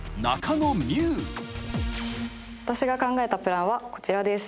私が考えたプランはこちらです。